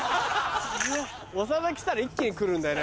長田来たら一気に来るんだよね